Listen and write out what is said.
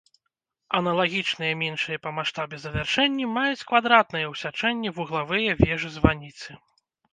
Аналагічныя меншыя па маштабе завяршэнні маюць квадратныя ў сячэнні вуглавыя вежы-званіцы.